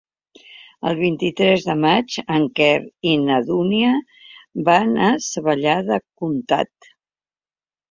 El vint-i-tres de maig en Quer i na Dúnia van a Savallà del Comtat.